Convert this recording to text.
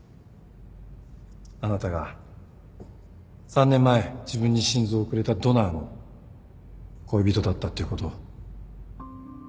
あなたが３年前自分に心臓をくれたドナーの恋人だったっていうこと。